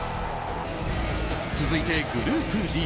続いて、グループＤ。